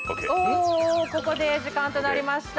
おここで時間となりました。